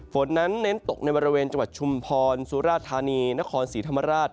ฝนนั้นเน้นตกในบริเวณจังหวัดชุมพรสุราธานีนครศรีธรรมราช